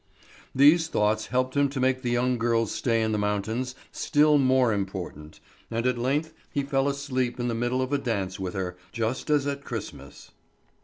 These thoughts helped him to make the young girl's stay in the mountains still more important, and at length he fell asleep in the middle of a dance with her, just as at Christmas.